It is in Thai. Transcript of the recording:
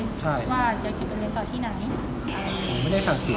ก็ขอบคุณเลยว่าจะเก็บอันเว้นต่อที่ไหน